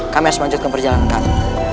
kami harus melanjutkan perjalanan kami